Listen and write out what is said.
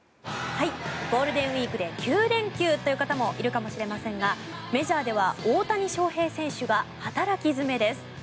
ゴールデンウィークで９連休という方もいるかもしれませんがメジャーでは大谷翔平選手が働き詰めです。